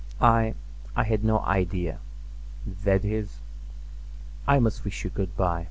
I—I had no idea—that is, I must wish you good by."